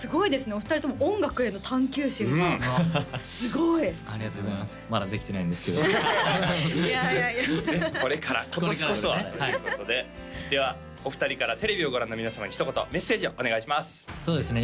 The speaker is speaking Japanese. お二人とも音楽への探究心がすごいありがとうございますまだできてないんですけどこれから今年こそはということでではお二人からテレビをご覧の皆様にひと言メッセージをお願いしますそうですね